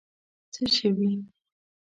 څه شوي.